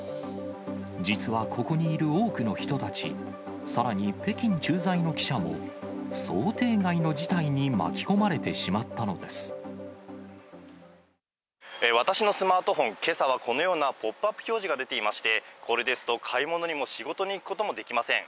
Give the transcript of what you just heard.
実はここにいる多くの人たち、さらに北京駐在の記者も、想定外の事態に巻き込まれてしまったの私のスマートフォン、けさはこのようなポップアップ表示が出ていまして、これですと買い物にも仕事に行くこともできません。